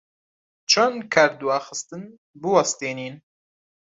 چۆن کاردواخستن بوەستێنین؟